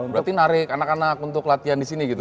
berarti narik anak anak untuk latihan disini gitu